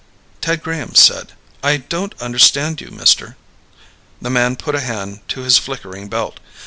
Ted Graham said, "I don't understand you, mister." The man put a hand to his flickering belt.